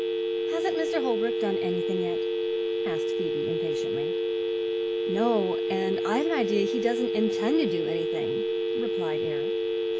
"Hasn't Mr. Holbrook done anything yet?" asked Phoebe impatiently. "No; and I've an idea he doesn't intend to do anything," replied Eric.